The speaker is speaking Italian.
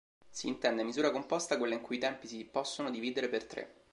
Si intende misura composta quella in cui i tempi si possono dividere per tre.